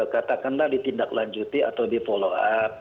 katakanlah ditindaklanjuti atau dipolo up